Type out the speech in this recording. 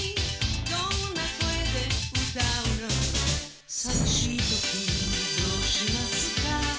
「どんな声で歌うの」「さみしいときどうしますか」